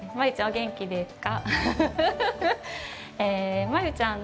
お元気ですか？